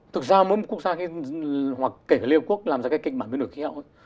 thực ra muốn quốc gia ấy hoặc kể cả liên hợp quốc làm ra cái kịch bản biến đổi khí hậu